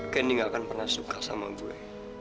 candy nggak akan pernah suka sama gue